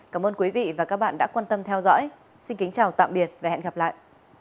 cảm ơn quý vị và các bạn đã quan tâm theo dõi xin kính chào tạm biệt và hẹn gặp lại